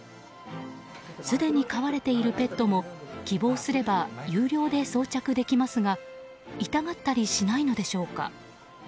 すでに飼われているペットも希望すれば有料で装着できますが痛がったりしないのでしょうか。